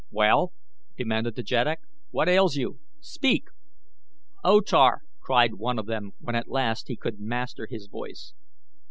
"Well?" demanded the jeddak. "What ails you? Speak!" "O Tar," cried one of them when at last he could master his voice.